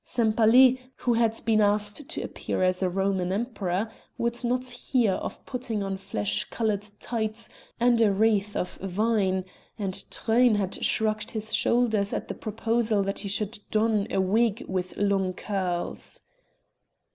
Sempaly, who had been asked to appear as a Roman emperor, would not hear of putting on flesh colored tights and a wreath of vine; and Truyn had shrugged his shoulders at the proposal that he should don a wig with long curls.